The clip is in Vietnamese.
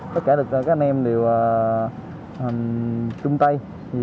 tất cả các anh em đều trung tay